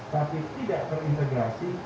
tapi tidak terintegrasi